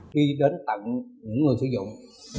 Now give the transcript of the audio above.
khi đến tận những người sử dụng